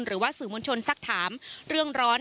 หรือว่าสื่อมวลชนสักถามเรื่องร้อน